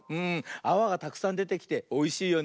あわがたくさんでてきておいしいよね。